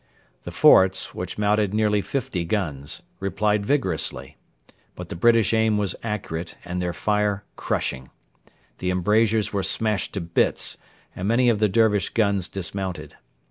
The forts, which mounted nearly fifty guns, replied vigorously; but the British aim was accurate and their fire crushing. The embrasures were smashed to bits and many of the Dervish guns dismounted.